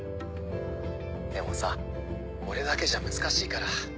でもさ俺だけじゃ難しいから。